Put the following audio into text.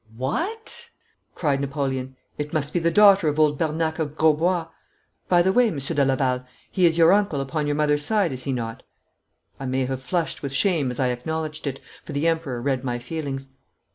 'What!' cried Napoleon. 'It must be the daughter of old Bernac of Grosbois. By the way, Monsieur de Laval, he is your uncle upon your mother's side, is he not?' I may have flushed with shame as I acknowledged it, for the Emperor read my feelings.